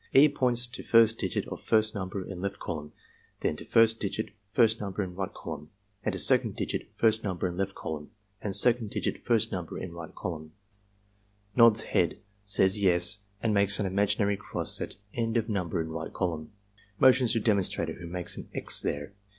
E. points to first digit of first number in left column, then to first digit first number in right column, then to second digit first number in left column and second digit first number in right column, nods head, says "Yes" and makes an imaginary cross at end of number in right column. Motions to demonstrator, who makes an "X" there.